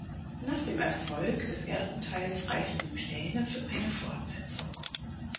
Nach dem Erfolg des ersten Teils reiften Pläne für eine Fortsetzung.